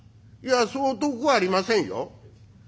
「いやそう遠くはありませんよ。